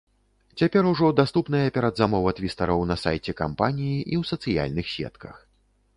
Цяпер ужо даступная перадзамова твістараў на сайце кампаніі і ў сацыяльных сетках.